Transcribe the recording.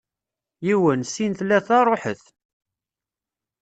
yiwen, sin, tlata, ruḥet!